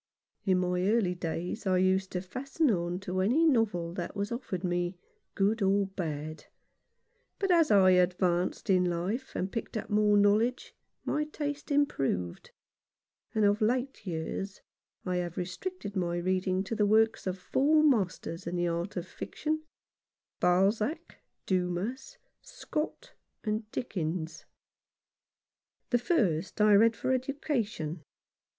In my early days I used to fasten on to any novel that was offered me, good or bad ; but as I advanced in life, and picked up more knowledge, my taste improved ; and of late years I have restricted my reading to the works of four masters in the art of fiction — Balzac, Dumas, Scott, and Dickens. The first I read for education.